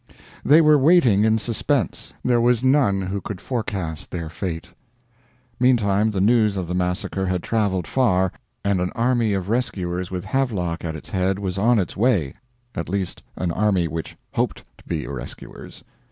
They were waiting in suspense; there was none who could forecast their fate. Meantime the news of the massacre had traveled far and an army of rescuers with Havelock at its head was on its way at least an army which hoped to be rescuers.